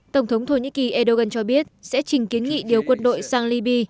tổng thống thổ nhĩ kỳ erdogan cho biết sẽ trình kiến nghị điều quân đội sang libya